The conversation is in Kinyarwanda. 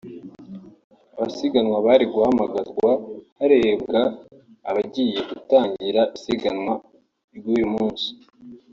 Abasiganwa bari guhamagarwa harebwa abagiye gutangira isiganwa ry’uyu munsi